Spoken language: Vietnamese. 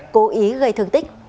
cố ý gây thương tích